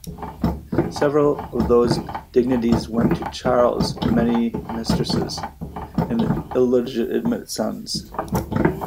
Several of those dignities went to Charles' many mistresses and illegitimate sons.